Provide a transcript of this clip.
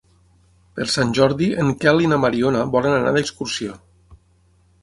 Per Sant Jordi en Quel i na Mariona volen anar d'excursió.